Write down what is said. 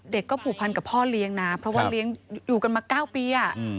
ผูกพันกับพ่อเลี้ยงนะเพราะว่าเลี้ยงอยู่กันมา๙ปี